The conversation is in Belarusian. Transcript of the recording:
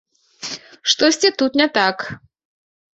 Штосьці тут не так.